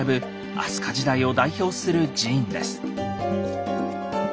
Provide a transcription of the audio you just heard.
飛鳥時代を代表する寺院です。